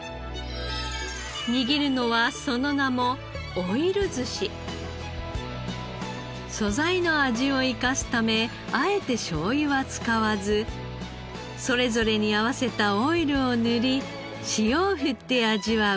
握るのはその名も素材の味を生かすためあえてしょうゆは使わずそれぞれに合わせたオイルを塗り塩を振って味わう